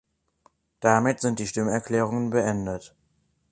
Damit sind die Stimmerklärungen beendet.